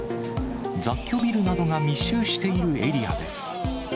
雑居ビルなどが密集しているエリアです。